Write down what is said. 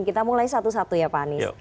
kita mulai satu satu ya pak anies